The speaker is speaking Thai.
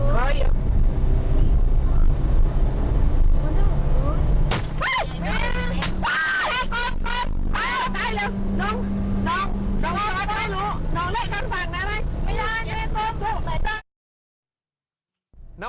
ป้ายแปลออกได้เลยน้อง